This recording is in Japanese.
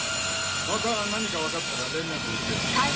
また何か分かったら連絡をくれ。